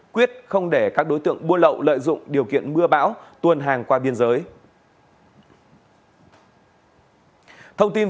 quyết không để các đối tượng buôn lậu lợi dụng điều kiện mưa bão tuồn hàng qua biên giới